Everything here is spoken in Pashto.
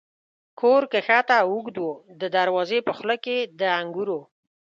کور کښته او اوږد و، د دروازې په خوله کې د انګورو.